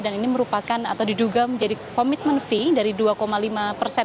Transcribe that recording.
dan ini merupakan atau diduga menjadi komitmen fee